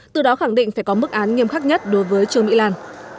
từ đó khẳng định phải có mức án nghiêm khắc nhất đối với trương mỹ lan